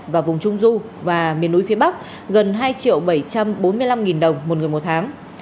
và vùng trung du và miền núi phía bắc gần hai bảy trăm bốn mươi năm đồng một người một tháng